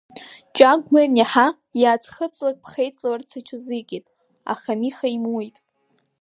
Чагә, уи аниаҳа, иааӡхыҵлак ԥхеиҵаларц иҽазикит, аха Миха имуит.